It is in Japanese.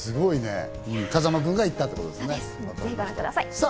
風間君が行ったってことですね。